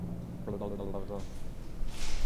Правда о кронштадтских событиях.